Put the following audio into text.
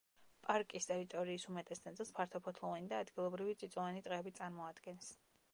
პარკის ტერიტორიის უმეტეს ნაწილს ფართოფოთლოვანი და ადგილობრივი წიწვოვანი ტყეები წარმოადგენს.